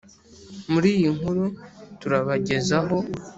muri iyi nkuru turabagezaho